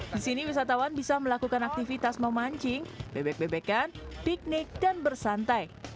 di sini wisatawan bisa melakukan aktivitas memancing bebek bebekan piknik dan bersantai